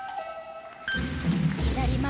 左前